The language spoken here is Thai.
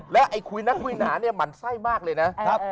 ไอ้คุยนักคุยหนาเนี่ยหมั่นไส้มากเลยนะครับ